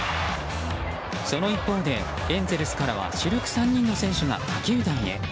その一方でエンゼルスからは主力３人の選手が他球団へ。